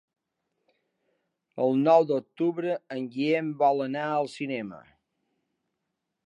El nou d'octubre en Guillem vol anar al cinema.